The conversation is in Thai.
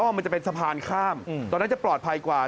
มันจะเป็นสะพานข้ามตอนนั้นจะปลอดภัยกว่า